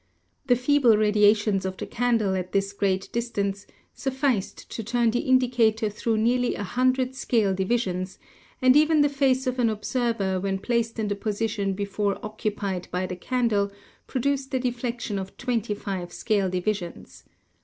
The feeble radiations of the candle at this great distance sufficed to turn the indicator through nearly a hundred scale divisions, and even the face of an observer when placed in the position before occupied by the candle produced a deflection of 25 scale divisions.